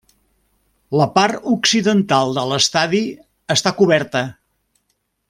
La part occidental de l'estadi està coberta.